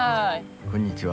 こんにちは。